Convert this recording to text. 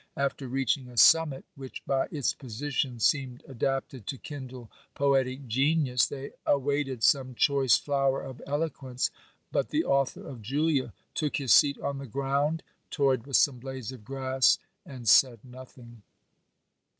After reaching OBERMANN 43 a summit which, by its position, seemed adapted to kindle poetic genius, they awaited some choice flower of eloquence ; but the author of " Julia " took his seat on the ground, toyed with some blades of grass and said nothing.